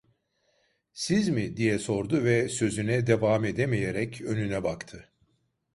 "Siz mi?" diye sordu ve sözüne devam edemeyerek önüne baktı.